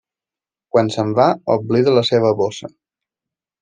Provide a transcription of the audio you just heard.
Quan se'n va, oblida la seva bossa.